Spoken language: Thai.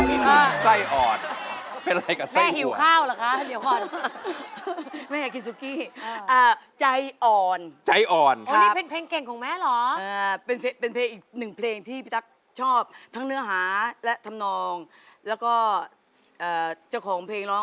เอาไว้เดี๋ยวกินซุกกี้มาให้เวลานะครับ